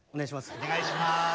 お願いします。